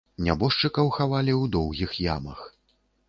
Нябожчыкаў хавалі ў доўгіх ямах.